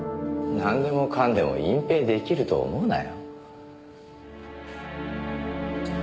なんでもかんでも隠蔽出来ると思うなよ。